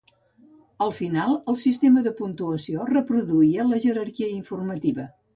Al final el sistema de puntuació reproduïa la jerarquia informativa.